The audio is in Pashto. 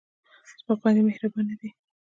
زما خویندې مهربانه دي.